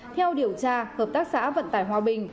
theo điều tra hợp tác xã vận tải hòa bình